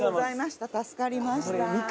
助かりました。